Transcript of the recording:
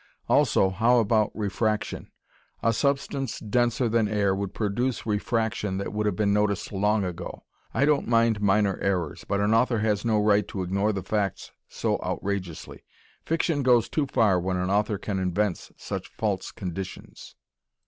Also, how about refraction? A substance denser than air would produce refraction that would have been noticed long ago. I don't mind minor errors, but an author has no right to ignore the facts so outrageously. Fiction goes too far when an author can invent such false conditions.